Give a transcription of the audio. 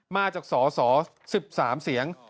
มาจากสส๑๓เสียง